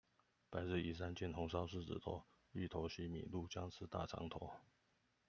白日依山盡，紅燒獅子頭，芋頭西米露，薑絲大腸頭